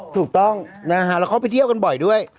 ถูกต้องแล้วเขาเป็นที่เที่ยวกันบ่อยด้วย